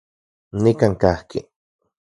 Nikan kajki.